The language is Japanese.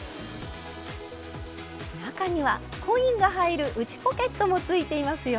中にはコインが入る内ポケットもついていますよ。